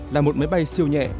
là một máy bay siêu nhẹ